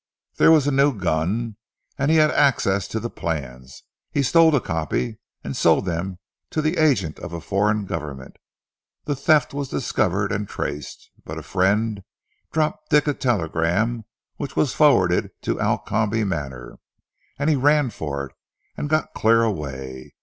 There was a new gun, and he had access to the plans. He stole a copy, and sold them to the agent of a foreign government. The theft was discovered and traced, but a friend dropped Dick a telegram which was forwarded to Alcombe Manor and he ran for it, and got clear away.